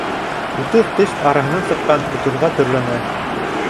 Утыҙ теш араһынан сыҡҡан утыҙға төрләнә.